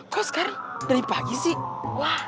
kok sekali dari pagi sih